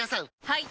はい！